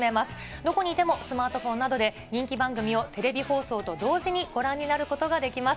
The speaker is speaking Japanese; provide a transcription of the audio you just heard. どこにいてもスマートフォンなどで人気番組をテレビ放送と同時にご覧になることができます。